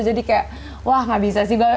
jadi kayak wah nggak bisa sih